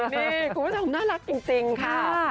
นี่คุณผู้ชมน่ารักจริงค่ะ